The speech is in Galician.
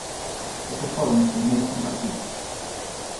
Estes foron os primeiros en partir.